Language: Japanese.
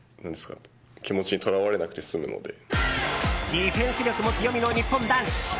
ディフェンス力も強みの日本男子。